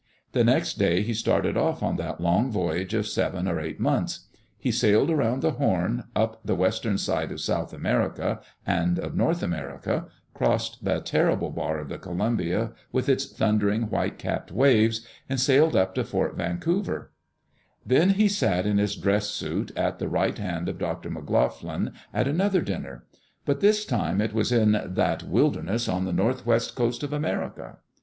The next day he started off on that long voyage of seven or eight months. He sailed around the Horn, up the western side of South America and of North America, crossed the terrible bar of the Columbia with its thunder ing white capped waves, and sailed up to Fort Vancouver, [no] Digitized by Google FIRST APPLE IN THE OREGON COUNTRY Then he sat, in his dress suit, at the right hand of Dr. McLoughlin, at another dinner; but this time it was in "that wilderness on the Northwest Coast of America.'